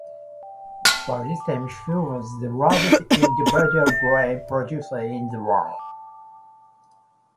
By this time he was the largest individual grain producer in the world.